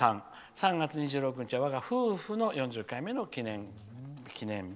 「３月２６日は我が夫婦の４６回目の記念日」。